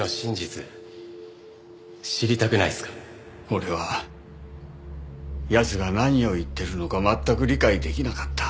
俺は奴が何を言ってるのか全く理解できなかった。